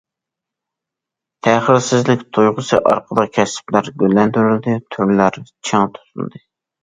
تەخىرسىزلىك تۇيغۇسى ئارقىلىق كەسىپلەر گۈللەندۈرۈلدى، تۈرلەر چىڭ تۇتۇلدى.